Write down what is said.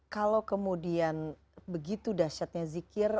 kalau kemudian begitu dahsyatnya zikir